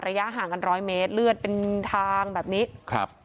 ระยะห่างกันร้อยเมตรเลือดเป็นทางแบบนี้ครับ